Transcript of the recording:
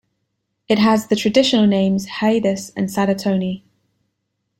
It has the traditional names Haedus and Sadatoni.